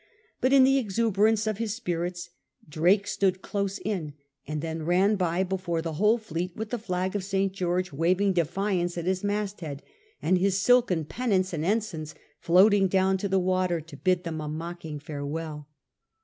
But in the exuberance of his spirits Drake stood close in, and then ran by before the whole fleet with the flag of St George waving defiance at his mast head, and his silken pennants and ensigns floating down to the water to bid them a mocking farewell.